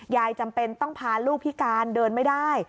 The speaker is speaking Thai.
จำเป็นต้องพาลูกพิการเดินไม่ได้